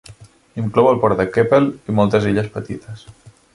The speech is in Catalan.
Inclou el port de Keppel i moltes illes petites.